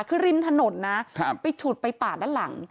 คือริมถนนนะไปฉุดไปปาดด้านหลัง